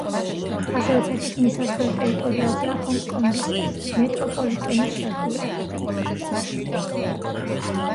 ასევე ფეხით მისასვლელ ტერიტორიაზეა ჰონგ-კონგის მეტროპოლიტენის სადგურები.